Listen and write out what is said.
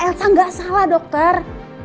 elsa ga salah dokter